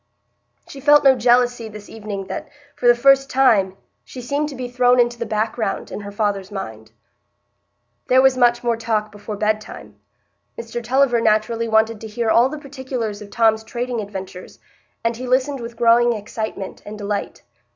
She felt no jealousy this evening that, for the first time, she seemed to be thrown into the background in her father's mind. There was much more talk before bedtime. Mr Tulliver naturally wanted to hear all the particulars of Tom's trading adventures, and he listened with growing excitement and delight.